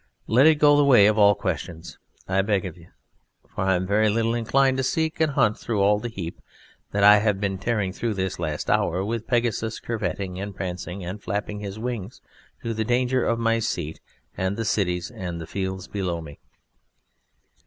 Let it go the way of all questions, I beg of you, for I am very little inclined to seek and hunt through all the heap that I have been tearing through this last hour with Pegasus curvetting and prancing and flapping his wings to the danger of my seat and of the cities and fields below me.